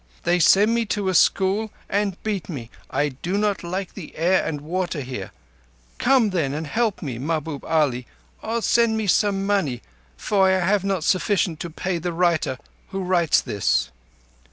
They send me to a school and beat me. I do not like the air and water here. Come then and help me, Mahbub Ali, or send me some money, for I have not sufficient to pay the writer who writes this.